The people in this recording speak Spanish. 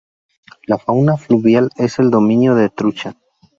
La fauna fluvial es el dominio de trucha.